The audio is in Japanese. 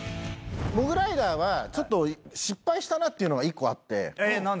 モグライダーはちょっと失敗したっていうのが１個あって。